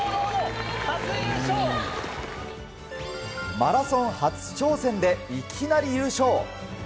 マラソン初挑戦でいきなり優勝。